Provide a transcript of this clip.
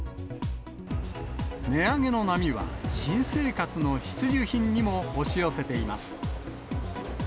値上げの波は、新生活の必需品にも押し寄せています。